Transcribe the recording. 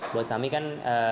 buat kami kan